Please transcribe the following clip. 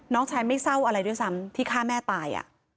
น้องชายไม่เศร้าอะไรด้วยซ้ำที่ฆ่าแม่ตาย